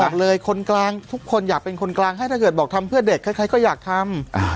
อย่างเลยคนกลางทุกคนอยากเป็นคนกลางให้ถ้าเกิดบอกทำเพื่อเด็กใครก็อยากทำ